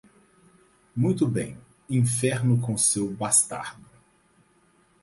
Muito bem, inferno com seu bastardo.